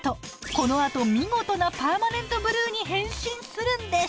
このあと見事なパーマネントブルーに変身するんです！